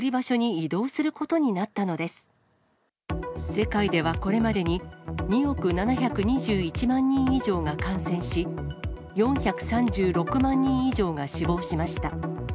世界ではこれまでに、２億７２１万人以上が感染し、４３６万人以上が死亡しました。